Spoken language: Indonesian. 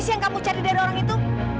siang kamu cari dari orang itu